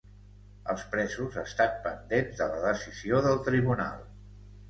Els presos estan pendents de la decisió del tribunal